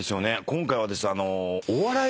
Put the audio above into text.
今回はですね。